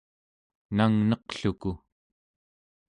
nangneqluku